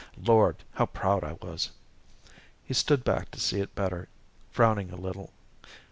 Lord, how proud I was!" He stood back to see it better, frowning a little.